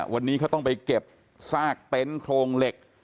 วันนี้เขาต้องไปเก็บซากเต็นต์โครงเหล็ก